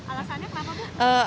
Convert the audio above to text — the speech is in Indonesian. alasannya kenapa pak